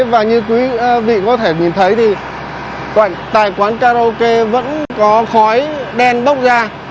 và như quý vị có thể nhìn thấy thì tại quán karaoke vẫn có khói đen bốc ra